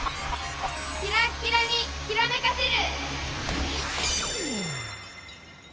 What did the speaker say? キラッキラにキラめかせる！